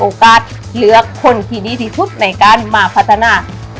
โอกาสเลือกคนที่ดีที่ทุกข์ในการมาพัฒนา